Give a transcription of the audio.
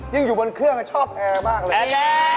อยู่บนเครื่องชอบแอร์มากเลย